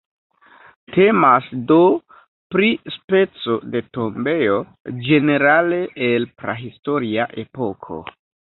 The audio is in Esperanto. Temas do pri speco de tombejo, ĝenerale el prahistoria epoko.